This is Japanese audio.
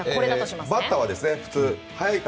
バッターは普通、速い球